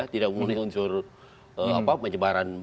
tidak memenuhi unsur menyebaran berita